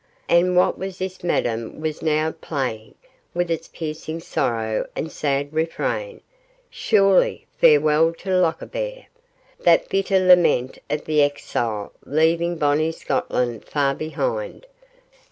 And what was this Madame was now playing, with its piercing sorrow and sad refrain? Surely 'Farewell to Lochaber', that bitter lament of the exile leaving bonny Scotland far behind.